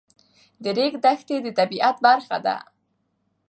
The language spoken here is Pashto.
د ریګ دښتې د طبیعت برخه ده.